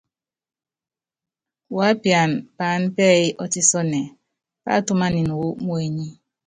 Wu ápiana paána pɛ́yí ɔ́tísɔnɛ, páátúmanini wú muenyi.